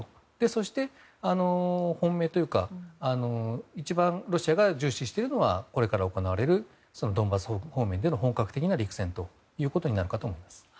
そして、本命というか一番ロシアが重視しているのはこれから行われるドンバス方面での本格的な陸戦となるかと思います。